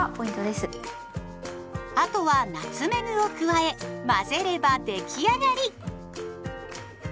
あとはナツメグを加え混ぜれば出来上がり。